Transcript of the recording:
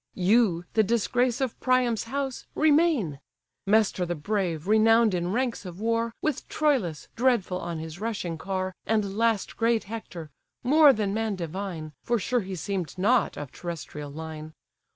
You, the disgrace of Priam's house, remain! Mestor the brave, renown'd in ranks of war, With Troilus, dreadful on his rushing car, And last great Hector, more than man divine, For sure he seem'd not of terrestrial line!